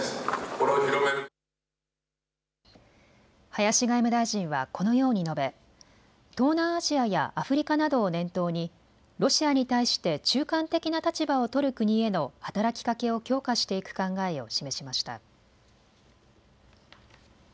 林外務大臣はこのように述べ、東南アジアやアフリカなどを念頭にロシアに対して中間的な立場を取る国への働きかけを強化していく考えを示しました。